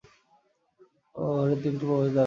ঘরের তিনটি প্রবেশদ্বার আছে।